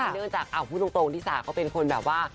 เนื่องจากพูดตรงที่สาเขาเป็นคนแบบว่า